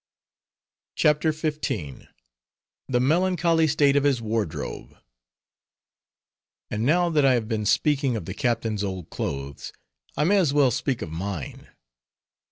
CHAPTER XV. THE MELANCHOLY STATE OF HIS WARDROBE And now that I have been speaking of the captain's old clothes, I may as well speak of mine.